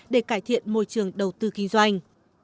để cải thiện môi trường đầu tư kinh doanh